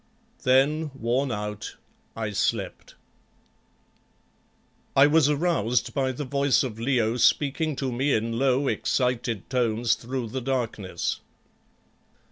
Then, worn out, I slept. I was aroused by the voice of Leo speaking to me in low, excited tones through the darkness.